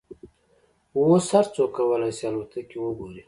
اوس هر څوک کولای شي الوتکې وګوري.